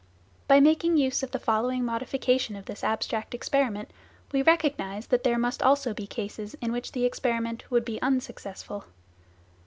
By making use of the following modification of this abstract experiment, we recognise that there must also be cases in which the experiment would be unsuccessful.